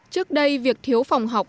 trước đây việc thiếu phòng học